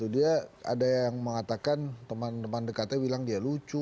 dia ada yang mengatakan teman teman dekatnya bilang dia lucu